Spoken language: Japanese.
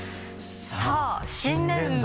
さあ新年度。